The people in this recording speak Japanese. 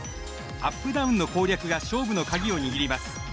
アップダウンの攻略が勝負の鍵を握ります。